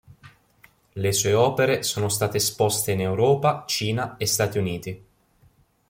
Le sue opere sono state esposte in Europa, Cina e Stati Uniti.